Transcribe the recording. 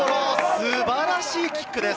素晴らしいキックです。